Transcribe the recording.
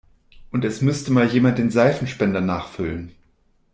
Und es müsste mal jemand den Seifenspender nachfüllen.